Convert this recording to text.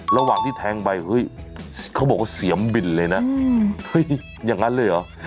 ระหว่างที่แทงไปเฮ้ยเขาบอกว่าเสียมบินเลยนะเฮ้ยอย่างนั้นเลยเหรอ